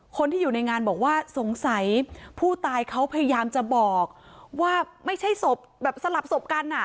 คนที่อยู่ในงานบอกว่าสงสัยผู้ตายเขาพยายามจะบอกว่าไม่ใช่ศพแบบสลับศพกันอ่ะ